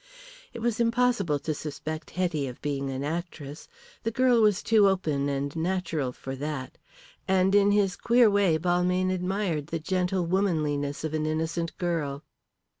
It was impossible to suspect Hetty of being an actress. The girl was too open and natural for that. And in his queer way Balmayne admired the gentle womanliness of an innocent girl.